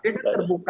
dia kan terbuka